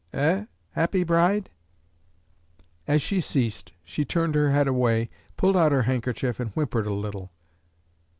Eh, happy bride?" As she ceased, she turned her head away, pulled out her handkerchief, and whimpered a little.